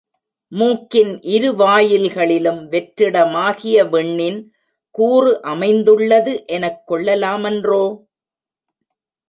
மூக்கின் இரு வாயில் களிலும் வெற்றிடமாகிய விண்ணின் கூறுஅமைந்துள்ளது எனக் கொள்ளலாமன்றோ?